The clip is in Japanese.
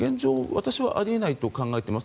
私はあり得ないと考えています。